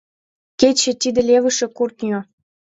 — Кече — тиде левыше кӱртньӧ.